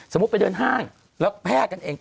ไปเดินห้างแล้วแพร่กันเอง